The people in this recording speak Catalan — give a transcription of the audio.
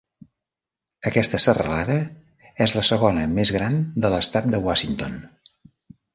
Aquesta serralada és la segona més gran de l'Estat de Washington.